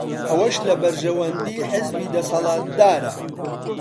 ئەوەش لە بەرژەوەندیی حیزبی دەسەڵاتدارە